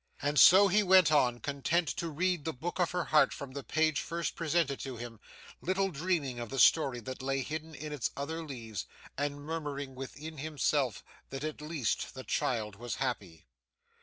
And so he went on, content to read the book of her heart from the page first presented to him, little dreaming of the story that lay hidden in its other leaves, and murmuring within himself that at least the child was happy.